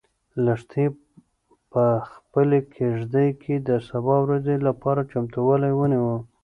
لښتې په خپلې کيږدۍ کې د سبا ورځې لپاره چمتووالی ونیو.